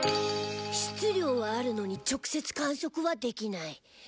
質量はあるのに直接観測はできない。